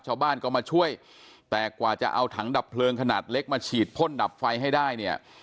ชาวบ้านก็มาช่วยแต่กว่าจะเอาถังดับเพลิงขนาดเล็กมาฉีดพ่นดับไฟให้ได้เนี่ย